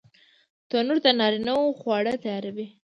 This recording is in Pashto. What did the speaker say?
تنور د نارینه وو خواړه تیاروي